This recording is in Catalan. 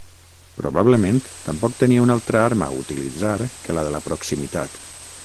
Probablement tampoc tenia una altra arma a utilitzar que la de la proximitat.